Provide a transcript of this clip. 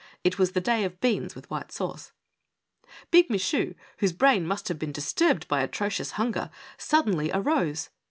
It was the day of beans with 3'iuce. : ig Michu, whose brain must have been disturbed by >!?^'ooious hunger, suddenly arose.